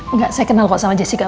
enggak saya kenal kok sama jessica